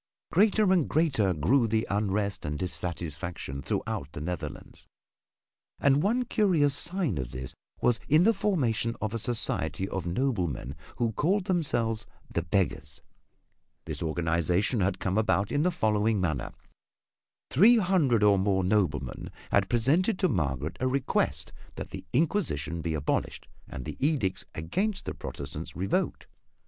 Greater and greater grew the unrest and dissatisfaction throughout the Netherlands. And one curious sign of this was in the formation of a society of noblemen who called themselves "The Beggars." This organization had come about in the following manner. Three hundred or more noblemen had presented to Margaret a request that the Inquisition be abolished and the edicts against the Protestants revoked.